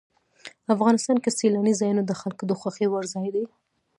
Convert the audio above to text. افغانستان کې سیلانی ځایونه د خلکو د خوښې وړ ځای دی.